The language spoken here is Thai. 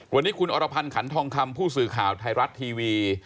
วันนี้คุณอรพันธ์ขันทองคำผู้สื่อข่าวไทยรัฐทีวี